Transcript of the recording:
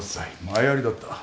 前ありだった。